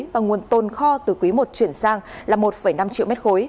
và nguồn tồn kho từ quý i chuyển sang là một năm triệu m ba